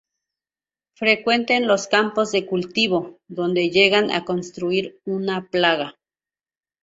Frecuente en los campos de cultivo, donde llegan a constituir una plaga.